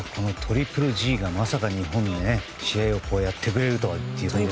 トリプルＧがまさか日本で試合をやってくれるとは。